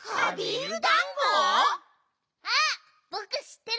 あっぼくしってる！